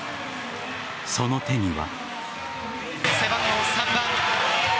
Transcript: その手には。